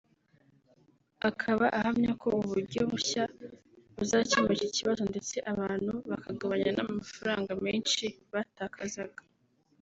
akaba ahamya ko ubu buryo bushya buzakemura iki kibazo ndetse abantu bakagabanya n’amafaranga menshi batakazaga